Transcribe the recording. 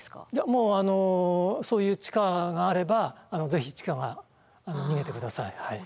もうそういう地下があれば是非地下が逃げてくださいはい。